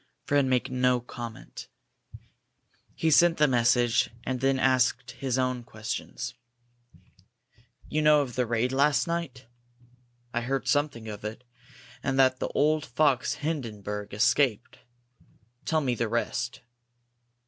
Fred made no comment. He sent the message, then asked his own questions. "You know of the raid last night?" "I heard something of it and that the old fox Hindenburg escaped. Tell me the rest."